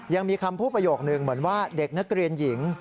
ยังมีคำพูดประโยคนึงเหมือนว่าเด็กนักเรียนหญิง